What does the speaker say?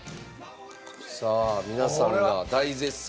さあ皆さんが大絶賛。